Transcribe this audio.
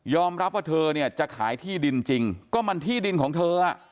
รับว่าเธอเนี่ยจะขายที่ดินจริงก็มันที่ดินของเธออ่ะ